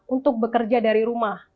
untuk bekerja dari rumah